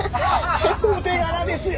お手柄ですよ！